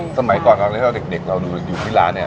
สมัยก่อนตอนนี้เราเด็กเราอยู่ที่ร้านเนี่ย